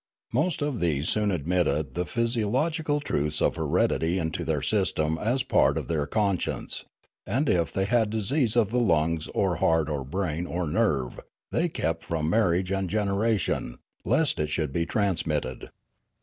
Most of these soon admitted the physi ological truths of heredity into their sj stem as part of their conscience, and if they had disease of the lungs or heart or brain or nerve, they kept from marriage and generation, lest it should be transmitted.